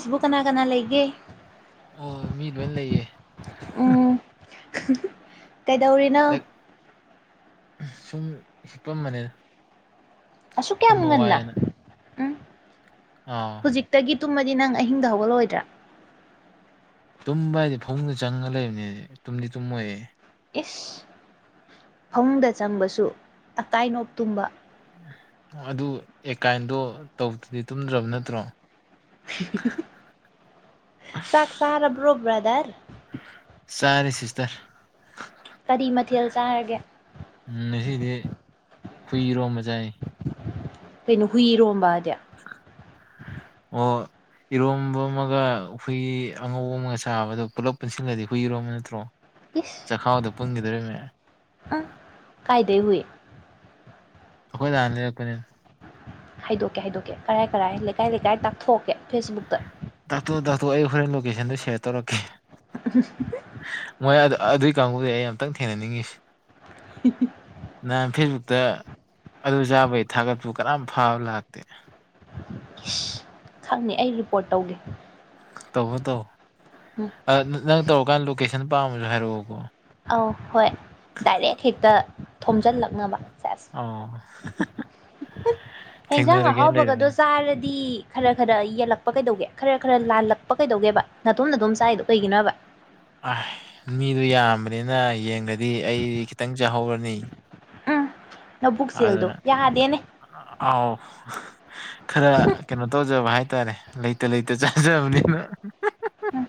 ꯐꯕꯨ ꯀꯅꯥ ꯀꯅꯥ ꯂꯩꯒꯦ ꯑꯣ ꯃꯤ ꯂꯣꯏꯅ ꯂꯩꯌꯦꯦ ꯎꯝ ꯀꯩꯗꯧꯔꯤꯅꯣ ꯁꯨꯝ ꯍꯤꯞꯄꯝꯕꯅꯦꯅ ꯑꯁꯨꯛ ꯀꯌꯥꯝ ꯉꯟꯅ ꯎꯝ ꯑꯥ ꯍꯧꯖꯤꯛꯇꯒꯤ ꯇꯨꯝꯃꯗꯤ ꯅꯪ ꯑꯍꯤꯡꯗ ꯍꯧꯒꯠꯂꯣꯏꯗ꯭ꯔꯥ ꯇꯨꯝꯕ ꯍꯥꯏꯗꯤ ꯐꯨꯡꯗ ꯆꯪꯉꯒ ꯂꯩꯕꯅꯤ ꯇꯨꯝꯗꯤ ꯇꯨꯝꯃꯣꯏꯌꯦꯦ ꯏꯁ ꯐꯃꯨꯡꯗ ꯆꯪꯕꯁꯨ ꯑꯀꯥꯏꯅꯣꯞ ꯇꯨꯝꯕ ꯑꯗꯨ ꯑꯦꯀꯥꯏꯟꯗꯣ ꯇꯧꯗꯗꯤ ꯇꯨꯝꯗ꯭ꯔꯕ ꯅꯠꯇ꯭ꯔꯣ ꯆꯥꯛꯁꯥꯔ ꯭ꯔꯣ ꯭ꯔꯥꯗꯔ ꯁꯔꯦ ꯁꯤꯁꯇꯔ ꯀꯔꯤ ꯃꯊꯦꯜ ꯆꯥꯔꯒꯦ ꯎꯝ ꯉꯁꯤꯗꯤ ꯍꯨꯏꯔꯣꯝꯕ ꯆꯥꯏ ꯀꯩꯅꯣ ꯍꯨꯏꯔꯣꯝꯕꯗꯤ ꯑꯣ ꯏꯔꯣꯝꯕ ꯑꯃꯒ ꯍꯨꯏ ꯑꯉꯧꯕ ꯑꯃꯒ ꯆꯥꯕꯗꯣ ꯄꯨꯜꯂꯞ ꯄꯨꯟꯁꯤꯜꯂꯗꯤ ꯍꯨꯏ ꯏꯔꯣꯝꯕ ꯅꯠꯇ꯭ꯔꯣ ꯏꯁꯤꯁ ꯆꯀꯥꯥꯎꯗ ꯄꯟꯒꯗꯔꯔꯤꯝ ꯀꯥꯏꯗꯦ ꯍꯌꯦ ꯑꯩꯈꯣꯏ ꯂ ꯂꯩꯄꯅꯤꯅ ꯍꯥꯏꯗꯣꯛꯀꯦ ꯍꯥꯏꯗꯣꯛꯀꯦ ꯀꯔꯥꯏ ꯀꯔꯥꯏ ꯂꯩꯀꯥꯏ ꯂꯩꯀꯥꯏ ꯇꯥꯛꯊꯣꯛꯑꯀꯦ ꯐꯦꯁꯕꯨꯛꯇ ꯗꯥꯛꯇꯣ ꯗꯥꯛꯇꯣ ꯑꯩ ꯍꯣꯔꯦꯟ ꯂꯣꯀꯦꯁꯟꯗꯣ ꯁꯦꯔ ꯇꯧꯔꯛꯀꯦ ꯃꯣꯏ ꯑꯗꯨ ꯑꯗꯨꯒꯤ ꯀꯥꯡꯕꯨꯗꯤ ꯑꯩ ꯑꯇꯪ ꯊꯦꯡꯅꯅꯤꯡꯉꯁꯤ ꯎꯝ ꯅꯍꯥꯟ ꯐꯦꯁꯕꯨꯛꯇ ꯑꯗꯨ ꯆꯥꯕꯒꯤ ꯊꯥꯒꯠꯄꯨ ꯀꯔꯝ ꯐꯥꯕ ꯂꯥꯛꯇꯦ ꯏꯁ ꯈꯪꯅꯤ ꯑꯩ ꯔꯤꯄꯣꯔꯠ ꯇꯧꯒꯦ ꯇꯧꯕ ꯇꯧ ꯎꯝ ꯅꯪ ꯇꯧꯔꯀꯥꯟꯗ ꯂꯣꯀꯦꯁꯟ ꯄꯥꯝꯃꯁꯨ ꯍꯥꯏꯔꯛꯑꯣꯀꯣ ꯑꯧ ꯍꯣꯏ ꯗꯥꯏꯔꯦꯛ ꯍꯦꯛꯇ ꯊꯣꯝꯖꯤꯜꯂꯛꯅꯕ ꯆꯁ ꯑꯣ ꯍꯦꯟꯖꯥꯡ ꯊꯦꯡꯅꯔꯒꯦꯅ ꯑꯍꯥꯎꯕꯒꯗꯣ ꯂꯩꯔꯕꯅꯤꯅ ꯆꯥꯔꯗꯤ ꯈꯔ ꯈꯔ ꯌꯦꯜꯂꯛꯄ ꯀꯩꯗꯧꯒꯦ ꯈꯔ ꯈꯔ ꯂꯥꯜꯂꯛꯄ ꯀꯩꯗꯧꯒꯦꯕ ꯅꯅꯥꯇꯣꯝꯅ ꯑꯗꯨꯝ ꯆꯥꯏꯗꯣ ꯀꯩꯒꯤꯅꯣꯕ ꯑ ꯃꯤꯗꯨꯣ ꯌꯥꯝꯕꯅꯤꯅ ꯌꯦꯡꯒꯗꯤ ꯑꯩ ꯈꯤꯇꯪ ꯆꯥꯍꯧꯔꯅꯤ ꯎꯝ ꯅꯕꯨꯛ ꯆꯦꯜꯗꯣ ꯑꯗꯨꯅ ꯌꯥꯗꯦꯅꯦ ꯑꯥꯎ ꯈꯔ ꯀꯩꯅꯣ ꯇꯧꯖꯕ ꯍꯥꯏꯇꯥꯔꯦ ꯂꯩꯇ ꯂꯩꯇ ꯆꯥꯖꯕꯅꯤꯅ ꯎꯝ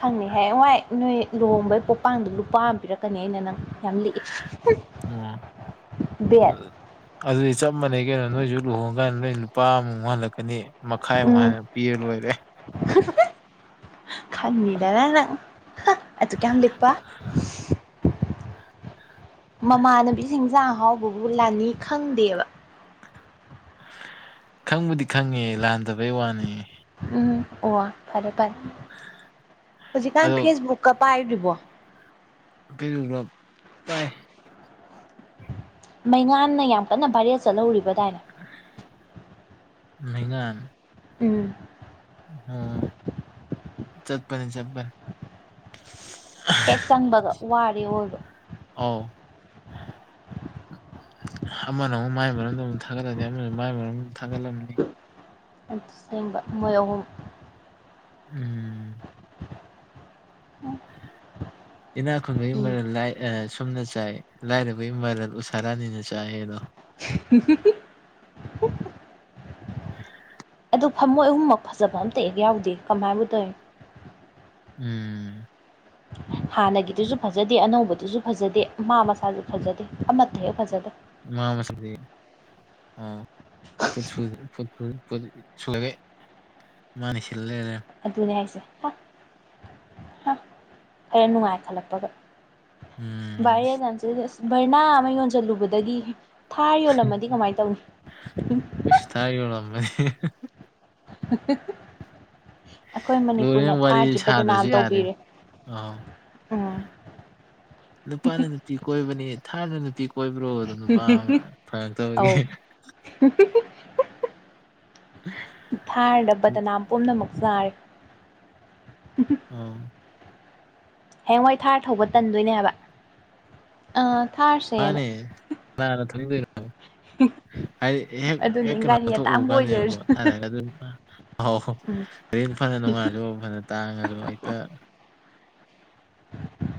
ꯈꯪꯅꯤ ꯍꯥꯏ ꯋꯥꯏ ꯅꯣꯏ ꯂꯨꯍꯣꯡꯕꯩ ꯄꯣꯛꯄꯥꯡꯗ ꯂꯨꯄꯥ ꯑꯃ ꯄꯤꯔꯛꯀꯅꯤ ꯑꯩꯅ ꯅꯪ ꯌꯥꯝ ꯂꯤꯛꯏ ꯑꯣꯝ ꯕꯦꯠ ꯑꯗꯨꯗꯤ ꯆꯞ ꯃꯥꯟꯅꯩ ꯀꯩꯅꯣ ꯅꯣꯏꯁꯨ ꯂꯨꯍꯣꯡ ꯀꯥꯟꯗ ꯅꯣꯏ ꯂꯨꯄꯥ ꯑꯃꯨꯛꯨꯛ ꯍꯜꯂꯛꯀꯅꯤ ꯃꯈꯥꯏꯃꯨꯛ ꯍꯥꯏꯅ ꯄꯤꯔ ꯂꯣꯏꯔꯦ ꯈꯪꯅꯤꯗ ꯅꯪ ꯑꯗꯨꯛ ꯌꯥꯝ ꯂꯤꯛꯄ ꯃꯃꯥꯟꯅꯕꯤꯁꯤꯡꯖꯥꯛ ꯑꯍꯥꯎꯕꯕꯨ ꯂꯥꯟꯅꯤ ꯈꯪꯗꯦꯕ ꯈꯪꯕꯨꯗꯤ ꯈꯪꯉꯦ ꯂꯥꯟꯗꯕꯩ ꯋꯥꯅꯤ ꯎꯝ ꯑꯣ ꯐꯔꯦ ꯐꯔꯦ ꯍꯧꯖꯤꯛꯀꯥꯟ ꯑꯗꯣ ꯐꯦꯁꯕꯨꯛꯀ ꯄꯥꯏ꯭ꯔꯤꯕꯣ [unintelligible] ꯄꯥꯏ ꯃꯩꯉꯥꯟꯅ ꯌꯥꯝ ꯀꯟꯅ ꯚꯏꯔꯦꯜ ꯆꯠꯍꯧꯔꯤꯕꯗꯥꯏꯅꯦ ꯃꯩꯉꯥꯟ ꯎꯝ ꯎꯝ ꯆꯠꯄꯅꯤ ꯆꯠꯄꯅꯤ ꯍꯦꯛ ꯆꯪꯕꯒ ꯋꯥꯔ‌ꯦ ꯑꯣꯏꯕ ꯑꯥꯎ ꯑꯃꯅ ꯑꯃꯨꯛ ꯃꯥꯏ ꯃꯔꯝꯗ ꯑꯃꯨꯝ ꯊꯥꯒꯠꯂꯅꯤ ꯑꯃꯅ ꯃꯥꯏ ꯃꯔꯝꯗ ꯑꯃꯝ ꯊꯥꯒꯠꯂꯝꯅꯤ ꯁꯦꯝꯦꯡꯕ ꯃꯣꯏ ꯑꯍꯨꯝ ꯎꯝ ꯏꯅꯥ ꯈꯪꯕꯒꯤ ꯎꯝ ꯃꯔꯜ ꯂꯥꯏ ꯑꯦ ꯁꯨꯝꯅ ꯆꯥꯏ ꯂꯥꯏꯔꯕ ꯏꯃꯥꯔꯜ ꯎꯁꯥ ꯔꯥꯅꯤꯅ ꯆꯥꯏꯗꯣ꯫ ꯎꯝ ꯍꯝ ꯍꯝ ꯑꯗꯨꯗ ꯐꯃꯣꯏ ꯑꯍꯨꯝꯃꯛ ꯐꯖꯕ ꯑꯝꯇ ꯑꯦꯦꯛ ꯌꯥꯎꯗꯦ ꯀꯃꯥꯏꯕꯨ ꯇꯧꯔꯤꯅ‌ꯣ꯫ ꯎꯝ ꯍꯥꯟꯅꯒꯤꯗꯨꯁꯨ ꯐꯖꯗꯦ ꯑꯅꯧꯕꯗꯨꯁꯨ ꯐꯖꯗꯦ ꯃꯥ ꯃꯁꯆꯥꯁꯨ ꯐꯖꯗꯦ ꯑꯃꯠꯇ ꯍꯦꯛ ꯐꯖꯗꯦ꯫ ꯃꯥ ꯃꯁꯗꯤ꯫ ꯑ ꯐꯨꯠ ꯁꯨꯗꯕꯩ꯫ ꯃꯅꯤ ꯂꯩꯔꯦ꯫ ꯑꯗꯨꯅꯦ ꯍꯥꯏꯁꯦ꯫ ꯍꯦ ꯅꯨꯡꯉꯥꯏꯈꯠꯂꯛꯄꯒ ꯎꯝ ꯚꯥꯏꯔ‌ꯦꯟ ꯃꯌꯥꯝ ꯆꯠ ꯑꯁ ꯕꯔꯅꯥ ꯑꯃ ꯌꯣꯟꯁꯤꯜꯂꯨꯕꯗꯒꯤ ꯊꯥꯔ ꯌꯣꯜꯂꯝꯃꯗꯤ ꯀꯃꯥꯏꯅ ꯇꯧꯅꯤ꯫ ꯏꯁ ꯇꯥꯏ ꯌ‌ꯣꯜꯂꯝꯃꯦ꯫ [inaudible] ꯑꯩꯈꯣꯏ ꯃꯅꯤꯄꯨꯔꯅ ꯂꯣꯏꯪ ꯋꯥꯔꯤ ꯊꯥꯔꯁꯦ ꯕꯗꯅꯥꯝ ꯁꯥꯗ꯭ꯔꯁꯨ ꯌꯥꯔꯦ ꯇꯧꯕꯤꯔꯦ ꯑ‌ꯣ ꯎꯝ ꯅꯨꯄꯥꯅ ꯅꯨꯄꯤ ꯀꯣꯏꯕꯅꯤ ꯊꯥꯗ ꯅꯨꯄꯤ ꯀꯣꯏꯕ꯭ꯔꯣ ꯑꯗꯨꯝ ꯅꯨꯄꯥ ꯑꯃ ꯑꯧ ꯐꯉꯛꯇꯕꯒꯤ꯫ ꯊꯥꯔꯗ ꯕꯗꯅꯥꯝ ꯄꯨꯝꯅꯃꯛ ꯆꯥꯔꯦ ꯑꯥ ꯍꯌꯦꯋꯥꯣꯏ ꯊꯥꯔ ꯊꯧꯕ ꯇꯟꯗꯣꯏꯅꯦꯕ ꯑ ꯊꯥꯔꯁ ꯃꯥꯅꯦ ꯀꯅꯥꯅ ꯊꯧꯅꯤꯡꯗ‌ꯣꯏꯅ‌‌ꯣꯕ ꯍꯥꯏꯗꯤ ꯍꯦꯛ ꯍꯦꯛ ꯑꯗꯨꯅꯦ ꯀꯩꯅꯣ ꯒꯥꯔꯤ ꯊꯣꯛꯎ ꯑꯇꯥꯡꯕ ꯀꯥꯟꯅꯦꯕꯀꯣ ꯑꯣꯏꯖꯔꯁꯨ ꯊꯔꯒ ꯑꯗꯨ ꯑ ꯎꯝ ꯇꯦꯟ ꯐꯅ ꯅꯨꯡꯉꯥꯜꯂꯨ ꯐꯅ ꯇꯥꯡꯉꯁꯨ ꯍꯦꯛꯇ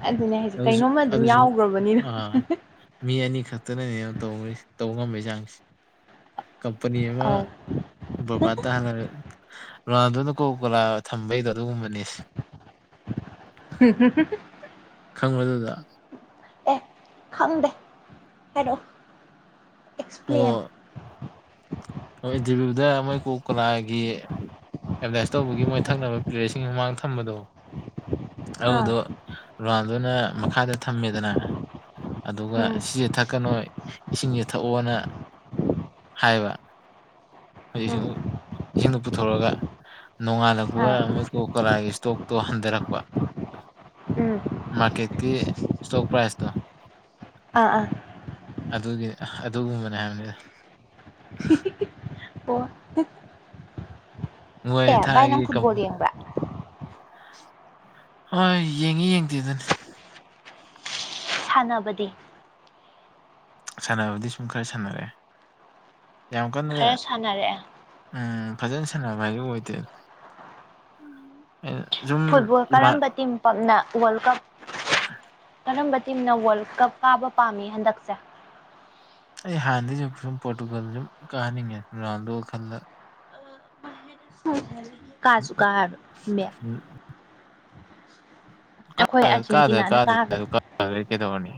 ꯑꯗꯨꯅꯦ ꯍꯥꯏꯁꯦ ꯑ ꯀꯩꯅꯣꯝꯃ ꯑꯗꯨꯝ ꯑꯁꯨ ꯌꯥꯎꯈ꯭ꯔꯕꯅꯤꯅ ꯑꯥ ꯃꯤ ꯑꯅꯤ ꯈꯛꯇꯅꯅꯦ ꯇꯧ ꯇꯧꯕ ꯉꯝꯕꯒꯤ ꯆꯥꯡꯁꯦ꯫ ꯀꯝꯄꯅꯤ ꯑꯃ ꯑꯧ ꯕꯣꯕꯥꯠꯇ ꯍꯪꯉꯔꯦ ꯔꯣꯅꯥꯜꯗꯨꯣꯅ ꯀꯣꯀꯣꯂꯥ ꯊꯝꯕꯩꯗꯣ ꯑꯗꯨꯒꯨꯝꯕꯅꯤ꯫ [unintelligible] ꯈꯪꯕꯗꯨꯗ ꯑꯦ ꯈꯪꯗꯦ ꯀꯩꯅꯣ ꯑꯦꯛꯁꯄ꯭ꯂꯦꯟ꯫ ꯑꯃꯥ [unintelligible] ꯃꯣꯏ ꯀꯣꯛ ꯀ‌ꯣꯂꯥꯒꯤ꯫ ꯑꯦꯗꯚꯔꯗꯥꯏꯁ ꯇꯧꯕꯒꯤ ꯃꯣꯏ ꯊꯛꯅꯕ ꯄ꯭ꯂꯦꯌꯔꯁꯤꯡ ꯃꯃꯥꯡꯗ ꯊꯝꯕꯗꯣ ꯑꯥ ꯑꯗꯨꯗꯣ ꯔꯣꯅꯥꯜꯗꯣꯅ ꯃꯈꯥꯗ ꯊꯝꯃꯦꯗꯅ ꯑꯗꯨꯒ ꯎꯝ ꯁꯤꯁꯦ ꯊꯛꯀꯅꯣꯏ ꯏꯁꯤꯡꯁꯦ ꯊꯛꯑꯣꯅ ꯍꯥꯏꯕ ꯍꯧꯖꯤꯛꯁꯤꯡ ꯎꯝ ꯏꯁꯤꯡꯗꯨ ꯄꯨꯊꯣꯔꯑꯒ ꯑꯥ ꯅꯣꯡꯉꯥꯜꯂꯛꯄꯒ ꯃꯣꯏꯀꯣ ꯀꯂꯥꯒꯤ ꯏꯁꯇꯣꯛꯇꯣ ꯍꯟꯊꯔꯛꯄ ꯎꯝ ꯃꯥꯔꯀꯦꯠꯀꯤ ꯏꯁꯇꯣꯛ ꯄ꯭ꯔꯥꯏꯖꯇꯣ ꯑꯥ ꯑꯥ ꯑꯗꯨꯒꯤ ꯑꯗꯨꯒꯨꯝꯕꯅꯦ ꯍꯥꯏꯕꯅꯤꯗ꯫ ꯑꯣ ꯃꯣꯏ ꯑꯦ ꯚꯥꯏ ꯅꯪ ꯊꯥꯏꯒꯤ ꯀꯝ ꯐꯨꯠꯕꯣꯜ ꯌꯦꯡꯕ꯭ꯔꯥ ꯍꯣꯏ ꯌꯦꯡꯉꯤ ꯌꯦꯡꯗꯦꯗꯨꯅꯤ꯫ ꯁꯥꯟꯅꯕꯗꯤ꯫ ꯁꯥꯟꯅꯕꯗꯤ ꯁꯨꯝ ꯈꯔ ꯁꯥꯟꯅꯔꯛꯑꯦ ꯌꯥꯝ ꯀꯟꯅ ꯈꯔ ꯁꯥꯟꯅꯔꯛꯑꯦ ꯎꯝ ꯐꯖꯅ ꯁꯥꯟꯅꯕ ꯍꯥꯏꯗꯣ ꯑꯣꯏꯗꯦ꯫ ꯑꯩꯅ ꯖꯨꯝ ꯏꯃꯥꯟ ꯄꯛꯅ ꯋꯥꯜ ꯀꯞ [inaudible] ꯀꯔꯝꯕ ꯇꯤꯝꯅ ꯋꯜ ꯀꯞ ꯀꯥꯕ ꯄꯥꯝꯃꯤ ꯍꯟꯗꯛꯁꯦ ꯑꯩ ꯍꯥꯟꯅꯩꯗꯩꯖꯨ ꯁꯨꯝ ꯄꯣꯔꯇꯨꯒꯜ ꯖꯨꯝ ꯀꯥꯍꯟꯅꯤꯡꯉꯦ ꯔꯣꯅꯥꯜꯗꯣ ꯈꯜꯂꯒ ꯀꯥꯖꯨ ꯀꯥꯔꯔꯣꯏ ꯃꯦꯛ ꯀꯥ ꯑꯩꯈꯣꯏ ꯀꯥꯗ꯭ꯔ ꯑꯥꯔꯖꯦꯟꯇꯤꯅꯥꯅ ꯀꯥꯒꯅꯤ ꯀꯥꯗ꯭ꯔꯦꯗꯅ ꯐꯔꯦ ꯀꯩꯗꯧꯔꯨꯅꯤ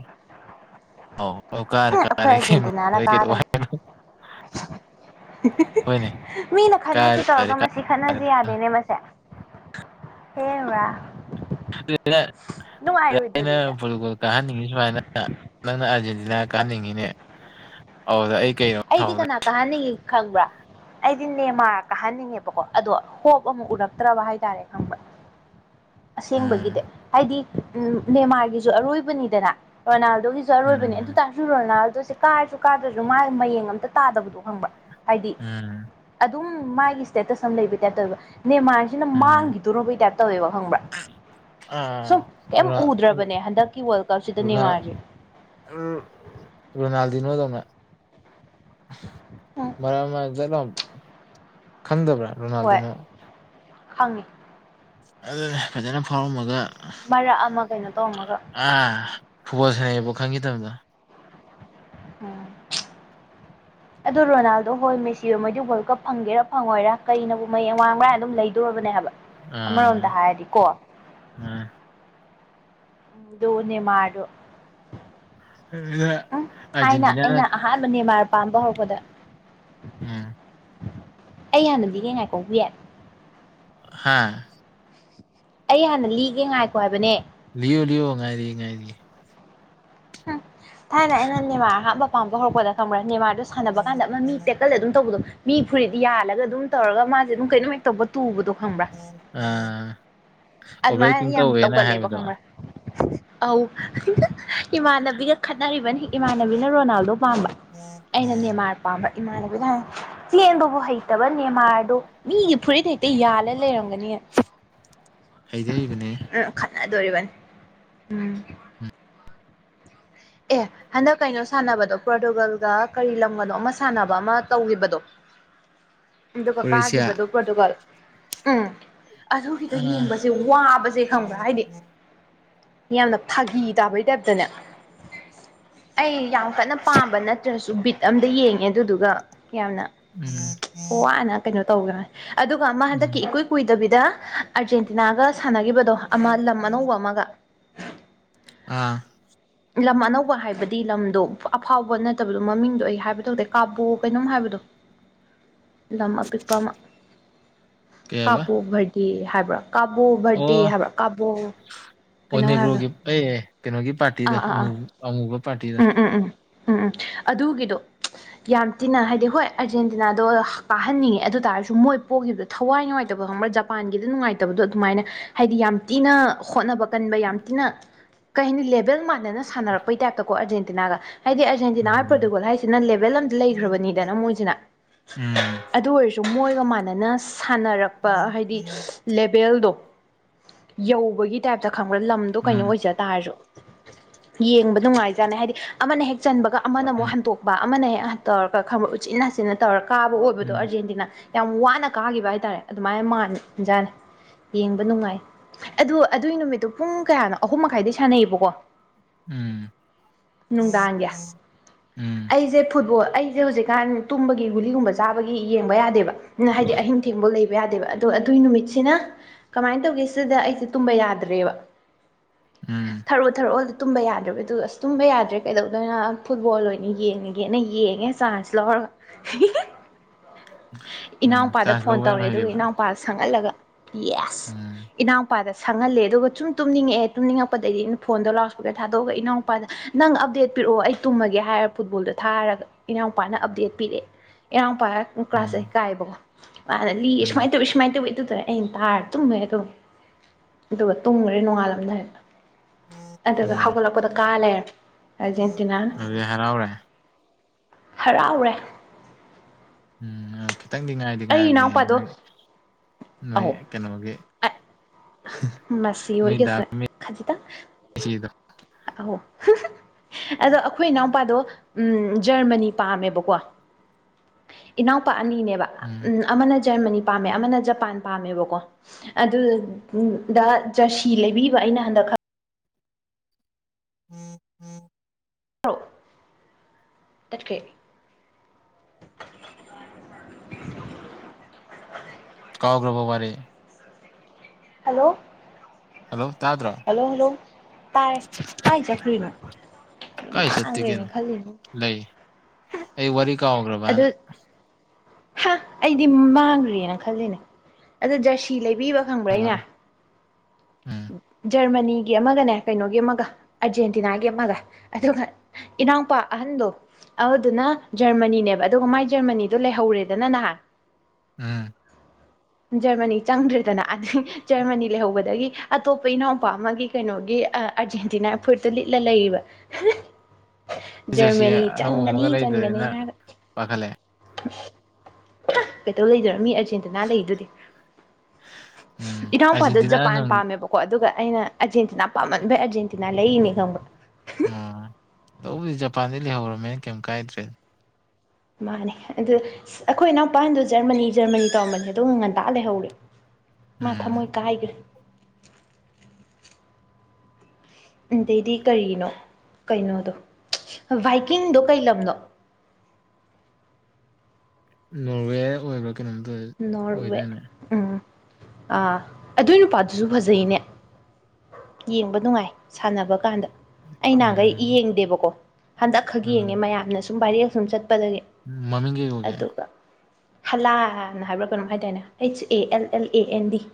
ꯑꯧ ꯀꯔꯥ ꯑꯩꯈꯣꯏ ꯀꯥꯔꯦ ꯀꯩꯅꯣ ꯑꯥꯔꯖꯦꯟꯇꯤꯅꯥꯅ ꯑꯩ ꯀꯩꯗꯧ ꯀꯥꯒꯅꯤ ꯍꯥꯏꯅꯣ ꯍꯣꯏꯅꯦ ꯃꯤꯅ ꯈꯟꯅꯁꯦ ꯀꯥꯏꯔ ꯂꯣꯏꯔꯦ ꯇꯧꯔꯒ ꯁꯤ ꯀꯥꯔꯦ ꯈꯠꯅꯁꯤ ꯌꯥꯗꯦꯅꯦ ꯃꯁꯦ ꯍꯦꯔꯥ ꯩꯅ ꯅꯨꯡꯉꯥꯏꯔꯣꯏꯗꯣꯔꯤꯗ ꯄꯨꯣ [unintelligible] ꯀꯥꯍꯟꯅꯤꯡꯉꯤ ꯁꯨꯃꯥꯏꯅ ꯅꯪꯅ ꯑꯥꯔꯖꯦꯟꯇꯤꯅꯥ ꯀꯥꯍꯟꯅꯤꯡꯉꯤꯅꯦ ꯑꯧꯗꯨꯗ ꯑꯩ ꯀꯩꯅꯣ ꯁꯥꯎꯗꯦ ꯀꯍꯥꯅꯤꯒꯤ ꯈꯡꯕ꯭ꯔꯥ ꯑꯩꯗꯤ ꯅꯦꯃꯥꯔ ꯀꯥꯍꯟꯅꯤꯡꯉꯦꯕꯀꯣ ꯑꯗꯣ ꯍꯣꯞ ꯑꯃ ꯎꯔꯛꯇ꯭ꯔꯕ ꯍꯥꯏꯇꯥꯔꯦ ꯈꯪꯕ꯭ꯔ ꯎꯝ ꯑꯁꯦꯡꯕꯒꯤꯗꯤ ꯍꯥꯏꯗꯤ ꯎꯝ ꯅꯦꯃꯥꯔꯒꯤꯁꯨ ꯑꯔꯣꯏꯕꯅꯤꯗꯅ ꯔꯣꯅꯥꯜꯗꯣꯒꯤꯁꯨ ꯑꯔꯣꯏꯕꯅꯦ ꯑꯗꯨ ꯎꯝ ꯇꯥꯔꯁꯨ ꯔꯣꯅꯥꯜꯗꯣꯁꯦ ꯀꯥꯔꯁꯨ ꯀꯥꯗ꯭ꯔꯁꯨ ꯃꯥ ꯃꯌꯦꯡ ꯑꯝꯇ ꯇꯥꯗꯕꯗꯣ ꯈꯪꯕ꯭ꯔꯥ ꯍꯥꯏꯗꯤ ꯎꯝ ꯑꯗꯨꯝ ꯃꯥꯒꯤ ꯏꯁꯇꯦꯇꯁ ꯑꯃ ꯂꯩꯕ ꯇꯥꯏꯞꯇ ꯇꯧꯋꯦꯕ ꯅꯦꯃꯥꯔ ꯖꯤꯅ ꯎꯝ ꯃꯥꯡꯒꯤꯗꯣꯔꯕꯩ ꯇꯥꯏꯞ ꯇꯧꯋꯦꯕ ꯈꯪꯕ꯭ꯔꯥ ꯁꯨꯝ ꯑꯥ ꯀꯩꯝ ꯔꯣꯅꯥ ꯎꯗ꯭ꯔꯕꯅꯦ ꯍꯟꯗꯛꯀꯤ ꯋꯥꯜ ꯀꯞꯁꯤꯗ ꯅꯦꯃꯥꯥꯔꯖꯦ ꯎꯝ ꯔꯣꯅꯥꯜꯗꯤꯅꯣꯗꯧꯅ ꯎꯝ ꯃꯔꯛ ꯑꯃ ꯈꯡꯗꯕ꯭ꯔꯥ ꯔꯣꯅꯥꯜꯗꯤꯅꯣ ꯍꯪꯉꯦ ꯑꯗꯨꯅ ꯡꯦ ꯐꯖꯅ ꯐꯥꯎꯔꯝꯃꯒ ꯃꯔꯛ ꯑꯃ ꯀꯩꯅꯣ ꯇꯧꯔꯝꯃꯒ ꯑꯥ ꯐꯨꯠꯕꯣꯜ ꯁꯥꯟꯅꯩꯕꯧ ꯈꯪꯒꯤꯗꯕꯗꯣ ꯎꯝ ꯑꯗꯣ ꯔꯣꯅꯥꯜꯗꯣ ꯍꯣꯏ ꯃꯦꯁꯤ ꯍꯣꯏ ꯃꯣꯏꯗꯤ ꯋꯥꯜ ꯀꯞ ꯐꯪꯒꯦꯔꯥ ꯐꯪꯉꯣꯏꯔꯥ ꯀꯩꯅꯕꯨ ꯃꯩꯌꯦꯛ ꯃꯥꯡꯕ꯭ꯔꯥ ꯍꯥꯏꯅ ꯑꯗꯨꯝ ꯂꯩꯗꯣꯔꯕꯅꯦ ꯍꯥꯏꯕ ꯑꯃꯔꯣꯝꯗ ꯍꯥꯏꯔꯗꯤꯀꯣ ꯎꯝ ꯑꯗꯣ ꯅꯦꯃꯥꯔꯗꯣ ꯍ [unintelligible] ꯎꯝ ꯊꯥꯏꯅ ꯑꯩꯅ ꯑꯍꯥꯟꯕ ꯅꯦꯃꯥꯔ ꯄꯥꯝꯕ ꯍꯧꯔꯛꯄꯗ ꯎꯝ ꯑꯩ ꯍꯥꯟꯅꯗꯤꯅꯦ ꯉꯥꯏꯀꯧꯕꯤ ꯌꯥꯏ ꯍꯥꯥ ꯑꯩ ꯍꯥꯟꯅ ꯂꯤꯒꯦ ꯉꯥꯏꯈꯣ ꯍꯥꯏꯕꯅꯦ ꯂꯤꯌꯣ ꯂꯤꯌꯣ ꯉꯥꯏꯔꯤꯌꯦ ꯉꯥꯏꯔꯤꯌꯦ ꯍꯨꯝ ꯊꯥꯏꯅ ꯑꯩꯅ ꯅꯦꯃꯥꯔ ꯑꯍꯥꯟꯕ ꯄꯥꯝꯕ ꯍꯧꯔꯛꯄꯗ ꯈꯪꯕ꯭ꯔꯥ ꯅꯦꯃꯥꯔꯗꯨ ꯁꯥꯟꯅꯕ ꯀꯥꯟꯗ ꯑꯃ ꯃꯤ ꯇꯦꯛꯀꯜ ꯑꯗꯨꯝ ꯇꯧꯕꯗꯣ ꯃꯤ ꯐꯨꯔꯤꯠ ꯌꯥꯜꯂꯒ ꯑꯗꯨꯝ ꯇꯧꯔꯒ ꯃꯥꯁꯦ ꯑꯗꯨꯝ ꯀꯩꯅꯣꯝꯍꯦꯛ ꯇꯧꯕ ꯇꯨꯕꯗꯣ ꯈꯪꯕ꯭ꯔꯥ ꯑꯥ ꯑꯗꯨꯃꯥꯏꯅ ꯑꯣꯕ꯭ꯔꯇꯤꯡ ꯌꯥꯝ ꯇꯧꯋꯦꯅ ꯇꯧꯒꯜꯂꯦꯕ ꯍꯥꯏꯕꯗꯣ ꯈꯪꯕ꯭ꯔꯥ ꯑꯧ ꯏꯃꯥꯟꯅꯕꯤꯒ ꯈꯠꯅꯔꯤꯕꯅꯤ ꯏꯃꯥꯟꯅꯕꯤꯅ ꯔꯣꯅꯥꯜꯗꯣ ꯄꯥꯝꯕ ꯑꯩꯅ ꯎꯝ ꯅꯦꯃꯥꯔ ꯄꯥꯝꯕ ꯏꯃꯥꯟꯅꯕꯤꯗ ꯆꯦꯟꯕꯕꯨ ꯍꯩꯇꯕ ꯅꯦꯃꯥꯔꯗꯣ ꯃꯤꯒꯤ ꯐꯨꯔꯤꯠ ꯍꯦꯛꯇ ꯌꯥꯜꯂ ꯂꯩꯔꯝꯒꯅꯤ ꯍꯩꯗꯤ ꯍꯩꯕꯅꯦ ꯎꯝ ꯈꯠꯅꯗꯣꯔꯤꯕꯅꯤ ꯎꯝ ꯑꯦ ꯍꯟꯗꯛ ꯀꯩꯅꯣ ꯁꯥꯟꯅꯕꯗꯣ ꯄꯣꯔꯇꯨꯒꯜꯒ ꯀꯔꯤ ꯂꯝꯒꯅꯣ ꯑꯃ ꯁꯥꯟꯅꯕ ꯑꯃ ꯇꯧꯈꯤꯕꯗꯣ ꯑꯗꯨꯒ ꯀ꯭ꯔꯣꯑꯦꯁꯤꯌꯥ ꯀꯥꯈꯤꯕꯗꯨꯧꯕ ꯑꯗꯨꯒ ꯎꯝ ꯑꯗꯨꯒꯤꯗꯣ ꯑꯥ ꯌꯦꯡꯕꯁꯦ ꯋꯥꯕꯁꯦ ꯈꯪꯕ꯭ꯔꯥ ꯍꯥꯏꯗꯤ ꯌꯥꯝꯅ ꯐꯥꯒꯤ ꯇꯥꯕꯩ ꯇꯥꯏꯞꯇꯅꯦ ꯑꯩ ꯌꯥꯝ ꯀꯟꯅ ꯄꯥꯝꯕ ꯅꯠꯇ꯭ꯔꯁꯨ ꯕꯤꯠ ꯑꯝꯗ ꯌꯦꯡꯉꯦ ꯑꯗꯨꯗꯨꯒ ꯀꯌꯥꯝꯅ ꯎꯝ ꯑꯣ ꯋꯥꯅ ꯀꯩꯅꯣ ꯇꯧꯒꯦꯅꯦ ꯑꯗꯨꯒ ꯃꯥ ꯎꯝ ꯍꯟꯗꯛꯀꯤ ꯏꯀꯨꯏ ꯀꯨꯏꯗꯕꯤꯗ ꯑꯥꯔꯖꯦꯟꯇꯤꯅꯥꯒ ꯁꯥꯟꯅꯈꯤꯕꯗ ꯑꯗꯣ ꯑꯃ ꯂꯝ ꯑꯅꯧꯕ ꯑꯃꯒ ꯑꯥ ꯂꯝ ꯑꯅꯧꯕ ꯍꯥꯏꯕꯗꯤ ꯂꯝꯗꯣ ꯑꯐꯥꯎꯕ ꯅꯠꯇꯕꯗꯣ ꯃꯃꯤꯡꯗꯣ ꯑꯩ ꯍꯥꯏꯕ ꯇꯧꯗꯦ ꯀꯥꯕꯣ ꯀꯩꯅꯣꯝ ꯍꯥꯏꯕꯗꯣ ꯂꯝꯃ ꯑꯄꯤꯛꯄ ꯑꯃ ꯀꯩꯕ ꯀꯥꯞꯄꯨꯈꯔꯗꯤ ꯍꯥꯏꯕ꯭ꯔꯥ ꯀꯥꯕꯣ ꯑꯣ ꯕꯔꯇꯦ ꯍꯥꯏꯕꯥ ꯀꯥꯕꯣ ꯀꯩꯅꯣ ꯍꯥꯏꯕꯗꯣ ꯑꯩ ꯀꯩꯅꯣꯒꯤ ꯄꯥꯔꯇꯤꯗꯣ ꯑꯥ ꯑꯥ ꯑꯥ ꯑꯃꯨꯕ ꯄꯥꯔꯇꯤꯗꯣ ꯎꯝ ꯎꯝ ꯎꯝ ꯎꯝ ꯑꯗꯨꯒꯤꯗꯣ ꯌꯥꯝ ꯊꯤꯟꯅ ꯍꯥꯏꯗꯤ ꯍꯣꯏ ꯑꯔꯖꯦꯟꯇꯤꯅꯥꯗꯣ ꯀꯥꯍꯟꯅꯤꯡꯉꯦ ꯑꯗꯨ ꯇꯥꯔꯁꯨ ꯃꯣꯏ ꯄꯣꯛꯈꯤꯕꯗꯣ ꯊꯋꯥꯏ ꯅꯨꯡꯉꯥꯏꯇꯕ ꯈ꯭ꯔ ꯖꯄꯥꯟꯒꯤꯗ ꯅꯨꯡꯉꯥꯏꯇꯕꯗꯣ ꯑꯗꯨꯃꯥꯏꯅ ꯍꯥꯏꯗꯤ ꯌꯥꯝ ꯊꯤꯅ ꯍꯣꯠꯅꯕ ꯀꯟꯕ ꯌꯥꯝ ꯊꯤꯅ ꯀꯩ ꯍꯥꯏꯅꯤ ꯂ ꯈꯤꯇꯥꯡ ꯃꯥꯟꯅ ꯁꯥꯟꯔꯛꯄꯩ ꯇꯥꯏꯞꯇꯀꯣ ꯑꯔꯖꯦꯟꯇꯤꯅꯥꯒ ꯍꯥꯏꯗꯤ ꯑꯖꯦꯟꯇꯤꯅꯥ ꯎꯝ ꯄ꯭ꯔꯣꯇꯣꯀꯣꯜ ꯍꯥꯏꯁꯤꯅ ꯂꯦꯕꯦꯜ ꯑꯇ ꯂꯩꯈ꯭ꯔꯕꯅꯤꯗꯅ ꯃꯣꯏꯁꯤꯅ ꯎꯝ ꯑꯗꯨ ꯑꯣꯏꯔꯁꯨ ꯃꯣꯏꯒ ꯃꯥꯟꯅꯅ ꯁꯥꯟꯅꯔꯛꯄ ꯍꯥꯏꯗꯤ ꯂꯦꯚꯦꯜꯗꯣ ꯌꯧꯕꯒꯤ ꯇꯥꯏꯞꯇ ꯈꯪꯕ꯭ꯔꯥ ꯂꯝꯗꯣ ꯀꯩꯅꯣ ꯎꯝ ꯑꯣꯏꯖ ꯇꯥꯔꯁꯨ ꯌꯦꯡꯕ ꯅꯨꯡꯉꯥꯏꯖꯥꯅꯤ ꯍꯥꯏꯗꯤ ꯑꯃꯅ ꯍꯦꯛ ꯆꯟꯕꯒ ꯑꯃꯅ ꯑꯃꯨꯛ ꯎꯝ ꯍꯟꯇꯣꯛꯄ ꯑꯃꯅ ꯍꯦꯛ ꯇꯧꯔꯒ ꯈ ꯎꯆꯤꯟꯅ ꯅꯥꯆꯤꯟꯅ ꯇꯧꯔ ꯀꯥꯕ ꯑꯣꯏꯕꯗꯣ ꯎꯝ ꯑꯔꯖꯦꯟꯇꯤꯅꯥ ꯌꯥꯝ ꯋꯥꯅ ꯀꯥꯈꯤꯕ ꯍꯥꯏꯇꯥꯔꯦ ꯑꯗꯨꯃꯥꯏꯅ ꯃꯟꯖꯥꯠꯅꯤ ꯌꯦꯡꯕ ꯅꯨꯡꯉꯥꯏ ꯑꯗꯣ ꯑꯗꯨꯒꯤ ꯅꯨꯃꯤꯠꯇꯣ ꯄꯨꯡ ꯀꯌꯥꯅꯣ ꯑꯍꯨꯝ ꯃꯈꯥꯏꯗꯩ ꯁꯥꯟꯅꯩꯌꯦꯕꯀꯣ ꯎꯝ ꯅꯨꯡꯗꯥꯡꯒꯤ ꯎꯝ ꯑꯩꯁꯦ ꯐꯨꯠꯕꯣꯜ ꯑꯩꯁꯦ ꯍꯧꯖꯤꯛ ꯀꯥꯟ ꯇꯨꯝꯕꯒꯤ ꯒꯨꯂꯤꯒꯨꯝꯕ ꯆꯥꯕꯒꯤ ꯌꯦꯡꯕ ꯌꯥꯗꯦꯕ ꯍꯥꯏꯗꯤ ꯑꯍꯤꯡ ꯊꯦꯡꯕꯧ ꯂꯩꯕ ꯌꯥꯗꯦꯕ ꯑꯗꯣ ꯑꯗꯨꯏ ꯅꯨꯃꯤꯠꯁꯤꯅ ꯀꯃꯥꯏꯅ ꯇꯧꯒꯦ ꯁꯤꯗ ꯑꯩꯁꯦ ꯇꯨꯝꯕ ꯌꯥꯗ꯭ꯔꯦꯕ ꯎꯝ ꯊꯔꯛ ꯊꯔꯛꯑꯣ ꯑꯗꯨ ꯇꯨꯝꯕ ꯌꯥꯗ꯭ꯔꯕ ꯑꯗꯨ ꯑꯁ ꯇꯨꯝꯕ ꯌꯥꯗ꯭ꯔꯦ ꯀꯩꯗꯧꯗꯣꯏꯣ ꯐꯨꯠꯕꯣꯜ ꯑꯣꯏꯅ ꯌꯦꯡꯉꯒꯦꯅ ꯌꯦꯡꯉꯦ ꯆꯥꯟꯁꯦ [unintelligible] ꯎꯝ ꯏꯅꯥꯎꯨꯄꯥꯗ ꯆꯥꯟꯁ ꯐꯣꯟ ꯂꯧꯕ ꯌꯥꯝ ꯇꯧꯔꯦ ꯑꯗꯨꯒ ꯍꯩꯔꯦꯕ ꯏꯅꯥꯎꯨꯄꯥꯗ ꯁꯪꯍꯜꯂꯒ ꯌꯦꯁ ꯎꯝ ꯏꯅꯥꯎꯨꯄꯥꯗ ꯁꯪꯍꯜꯂꯦ ꯑꯗꯨꯒ ꯁꯨꯝ ꯇꯨꯝꯅꯤꯡꯉꯛꯑꯦ ꯇꯨꯝꯅꯤꯡꯉꯛꯄꯗꯒꯤ ꯑꯩꯅ ꯐꯣꯟꯗꯣ ꯂꯥꯎꯄꯗ ꯊꯥꯗꯣꯛꯑꯒ ꯏꯅꯥꯎꯄꯥꯗ ꯅꯪ ꯑꯞꯗꯦꯠ ꯄꯤꯔꯛꯑꯣ ꯑꯩ ꯇꯨꯝꯃꯒꯦ ꯍꯥꯏꯔ ꯐꯨꯠꯕꯣꯜꯗꯣ ꯊꯥꯔꯒ ꯏꯅꯥꯎꯄꯥꯅ ꯑꯞꯗꯦꯠ ꯄꯤꯔꯛꯑꯦ ꯏꯔꯥꯡꯄꯥꯥꯏꯔꯒ ꯀꯨꯀ꯭ꯔꯥꯁꯦ ꯎꯝ ꯀꯥꯏꯕꯀꯣ ꯃꯥꯅ ꯂꯤꯌꯦ ꯎꯝ ꯁꯨꯃꯥꯏꯅ ꯇꯧꯋ ꯁꯃꯥꯏꯇ ꯑꯣꯏꯗꯨꯗ ꯑꯩꯟ ꯇꯥꯔ ꯇꯃꯦ ꯑꯗꯨꯣ ꯑꯗꯨꯒ ꯇꯨꯝꯈꯔꯦ ꯅꯣꯡꯉꯥꯜꯂꯝꯅ ꯍꯥꯏꯗ ꯑꯣꯝ ꯑꯗꯨꯒ ꯍꯧꯒꯠꯂꯛꯄꯗ ꯀꯥꯜꯂꯦ ꯑꯔꯖꯦꯟꯇꯤꯅꯥ ꯑꯗꯨꯗꯤ ꯍꯔꯥꯎꯔꯦ ꯍꯔꯥꯎꯔꯦ ꯎꯝ ꯑ ꯈꯤꯇꯪꯗꯤ ꯉꯥꯏꯗꯤ ꯑꯩ ꯉꯥꯏꯕꯅꯦ ꯏꯅꯥꯎꯄꯥꯗꯣ ꯅꯣꯏ ꯅꯣꯏ ꯑꯧ ꯀꯩꯅꯣꯒꯤ ꯃꯁꯤ ꯅꯣꯏ ꯗꯥ ꯍꯣꯏꯒꯁꯦ [unintelligible] ꯑꯥꯎ ꯑꯗꯣ ꯑꯩꯈꯣꯏ ꯏꯅꯥꯎꯄꯥꯗꯣ ꯎꯝ ꯖꯔꯃꯅꯤ ꯄꯥꯝꯃꯦꯕꯀꯣ ꯏꯅꯥꯎꯄꯥ ꯑꯅꯤꯅꯦꯕ ꯎꯝ ꯑꯃꯅ ꯖꯔꯃꯅꯤ ꯄꯥꯝꯃꯦ ꯑꯃꯅ ꯖꯄꯥꯟ ꯄꯥꯝꯃꯦꯕꯀꯣ ꯑꯗꯨ ꯗ ꯖꯔꯁꯤ ꯂꯩꯕꯤꯕ ꯑꯩꯅ ꯍꯟꯗꯛ ꯈ [inaudible] ꯇꯠꯈꯔ꯭ꯦ ꯀꯥꯎꯈ꯭ꯔꯕ ꯋꯥꯔꯤ ꯍꯜꯂꯣ ꯍꯜꯂꯣ ꯇꯥꯗ꯭ꯔꯣ ꯍꯜꯂꯣ ꯍꯜꯂꯣ ꯇꯥꯏ ꯀꯥꯏ ꯆꯠꯈꯔꯤꯅꯣ ꯀꯥꯏ ꯆꯠꯇꯦꯀꯩꯅꯣ ꯂꯩ ꯑꯩ ꯋꯥꯔꯤ ꯀꯥꯎꯈ꯭ꯔꯕꯅ ꯑꯗꯨ ꯍꯥ ꯑꯩꯗꯤ ꯃꯥꯡꯈ꯭ꯔꯦꯅ ꯈꯜꯂꯤꯅꯦ ꯑꯗ ꯖꯔꯁꯤ ꯂꯩꯕꯤꯕ ꯈꯪꯕ꯭ꯔꯥ ꯑꯩꯅ [unintelligible] ꯎꯝ ꯖꯔꯃꯅꯤꯒꯤ ꯑꯃꯒꯅꯦ ꯀꯩꯅꯣꯒꯤ ꯑꯃꯒ ꯑꯔꯖꯦꯟꯇꯤꯅꯥꯒꯤ ꯑꯃꯒ ꯑꯗꯨꯒ ꯏꯅꯥꯎꯄꯥ ꯑꯍꯟꯗꯣ ꯑꯗꯨꯗꯨꯅ ꯖꯔꯃꯅꯤꯅꯦꯕ ꯑꯗꯨꯒ ꯃꯥꯏ ꯖꯔꯃꯅꯤꯗꯣ ꯂꯩꯍꯧꯔꯦꯗꯅ ꯅꯍꯥꯟ ꯎꯝ ꯖꯔꯃꯅꯤ ꯆꯪꯗ꯭ꯔꯦꯗꯅ ꯑꯗꯨꯏ ꯖꯔꯃꯅꯤ ꯂꯩꯍꯧꯕꯗꯒꯤ ꯑꯇꯣꯞꯄ ꯏꯅꯥꯎꯄꯥ ꯑꯃꯒꯤ ꯀꯩꯅꯣꯒꯤ ꯑꯥꯔꯖꯦꯟꯇꯤꯅꯥ ꯐꯨꯔꯤꯠꯇꯨ ꯂꯤꯠꯂ ꯂꯩꯔꯤꯕ ꯖꯔꯁꯤ ꯖꯔꯃꯦꯅꯤ ꯆꯪꯒꯅꯤ ꯆꯟꯒꯅꯤ ꯍꯥꯏꯔꯒ ꯄꯥꯈꯠꯂꯦ ꯍꯥ ꯀꯩꯇꯧꯔ ꯂꯩꯗꯣꯏꯅꯣ ꯃꯤ ꯑꯩ ꯆꯤꯟ ꯇꯨꯅ ꯂꯩꯗꯨꯗꯤ ꯎꯝ ꯏꯅꯥꯎꯄꯥꯗ ꯑꯥꯔꯖꯦꯟꯇꯤꯅꯥ ꯖꯄꯥꯟ ꯉꯝ ꯄꯥꯝꯃꯦꯕ ꯀꯣ ꯑꯗꯨꯒ ꯑꯩꯅ ꯑꯔꯖꯦꯟꯇꯤꯅꯥ ꯄꯥꯝꯃꯟꯕꯩ ꯑꯔꯖꯦꯟꯇꯤꯅꯥ ꯂꯩꯔꯤꯅꯤ ꯈꯪꯕ ꯑꯃ ꯇꯧꯕꯨꯗꯤ ꯖꯄꯥꯟꯗꯤ ꯂꯩꯍꯧꯔꯝꯃꯦꯅ ꯀꯩꯝ ꯀꯥꯏꯗ꯭ꯔꯦ ꯃꯥꯅꯦ ꯑꯗꯨ ꯑꯩꯈꯣꯏ ꯏꯅꯥꯎꯄꯥꯥꯁꯤꯡꯗꯣ ꯖꯔꯃꯅꯤ ꯖꯔꯃꯅꯤ ꯇꯧꯔꯝꯕꯅꯦ ꯑꯗꯨ ꯉꯟꯇꯥ ꯂꯩꯍꯧꯔꯦ ꯃꯥ ꯎꯝ ꯊꯃꯣꯏ ꯀꯥꯏꯒ꯭ꯔꯦ ꯑꯗꯩꯗꯤ ꯀꯔꯤꯅꯣ ꯀꯩꯅꯣꯗꯣ ꯚꯥꯏꯀꯤꯡꯗꯣ ꯀꯩ ꯂꯝꯅꯣ ꯅꯣꯔꯋꯦ ꯑꯣꯏꯕꯔ [unintelligible] ꯀꯩꯅꯣꯝ ꯇꯧꯑꯦ ꯅꯣꯔꯋꯦ ꯎꯝ ꯑꯥ ꯑꯗꯨꯏ ꯅꯨꯄꯥꯗꯨꯁꯨ ꯐꯖꯩꯅꯦ ꯌꯦꯡꯕ ꯅꯨꯡꯉꯥꯏ ꯁꯥꯟꯅꯕ ꯀꯥꯟꯗ ꯑꯩ ꯅꯍꯥꯟꯈꯩ ꯎꯝ ꯌꯦꯡꯗꯦꯕꯀꯣ ꯍꯟꯗꯛ ꯈꯛ ꯌꯦꯡꯉꯦ ꯃꯌꯥꯝꯅ ꯁꯨꯝ ꯕꯥꯏꯔꯦꯜ ꯁꯨꯝ ꯆꯠꯄꯗꯒꯤ ꯎꯝ ꯃꯃꯤꯡ ꯀꯩ ꯀꯧꯒꯦ ꯍꯜꯂꯥꯟ ꯍꯥꯏꯕ꯭ꯔꯥ ꯀꯩꯅꯣꯝ ꯍꯥꯏꯇꯥꯏꯅꯦ H A L L A N D